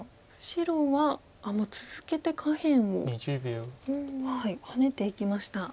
白はもう続けて下辺をハネていきました。